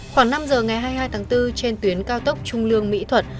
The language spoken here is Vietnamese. khoảng năm giờ ngày hai mươi hai tháng bốn trên tuyến cao tốc trung lương mỹ thuận